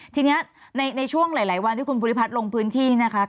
ทีนี้ในช่วงหลายวันที่คุณภูริพัฒน์ลงพื้นที่นะคะ